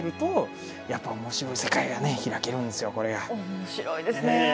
面白いですね。